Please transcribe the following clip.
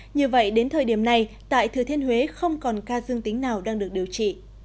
như vậy đến thời điểm này tại thừa thiên huế không còn ca dương tính nào đang được điều trị